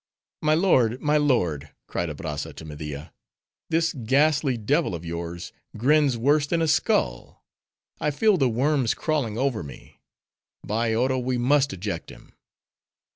"My lord! my lord!"—cried Abrazza to Media—"this ghastly devil of yours grins worse than a skull. I feel the worms crawling over me!—By Oro we must eject him!"